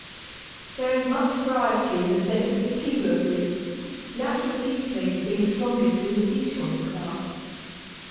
There is much variety in the scent of the Tea Roses, the actual tea flavour being strongest in the Dijon class.